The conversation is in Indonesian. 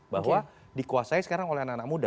bahwa dikuasai sekarang oleh anak anak muda